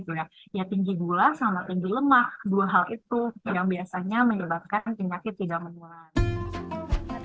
ya tinggi gula sama tinggi lemak dua hal itu yang biasanya menyebabkan penyakit tidak menular